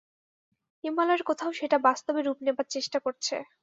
হিমালয়ের কোথাও সেটা বাস্তবে রূপ নেবার চেষ্টা করছে।